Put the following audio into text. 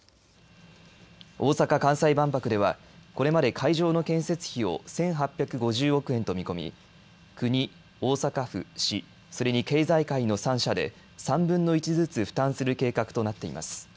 大阪・関西万博ではこれまで会場の建設費を１８５０億円と見込み国、大阪府・市それに経済界の３者で３分の１ずつ負担する計画となっています。